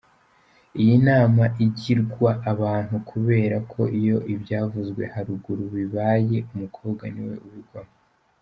Iyi nama igirwa abantu kubera ko iyo ibyavuzwe haruguru bibaye, umukobwa niwe ubigwamo.